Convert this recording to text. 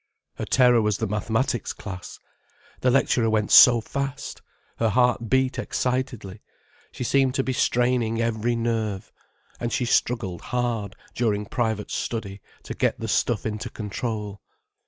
Her terror was the mathematics class. The lecturer went so fast, her heart beat excitedly, she seemed to be straining every nerve. And she struggled hard, during private study, to get the stuff into control.